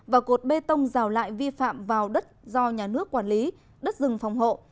và cột bê tông rào lại vi phạm vào đất do nhà nước quản lý đất rừng phòng hộ